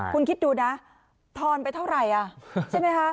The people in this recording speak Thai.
คุณคิดดูนะทอนไปเท่าไหร่ใช่ไหมคะ